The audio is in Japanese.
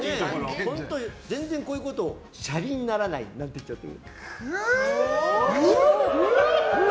全然こういうことをシャリにならない、なんちゃって。